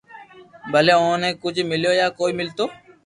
ڀلي اوني ڪجھ ميلتو يا ڪوئي ملتو